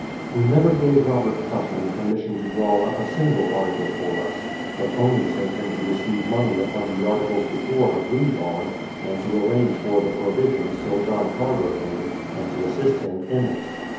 We never gave Robert Cushman commission to draw up a single article for us, but only sent him to receive money upon the articles before agreed on, and to arrange for the provisions till John Carver came, and to assist him in it.